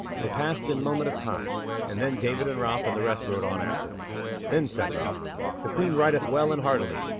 They passed in a moment of time, and then David and Ralph and the rest rode on after them. Then said Ralph: "The Queen rideth well and hardily."